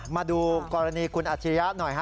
มาดูกรณีคุณอาชิริยะหน่อยฮ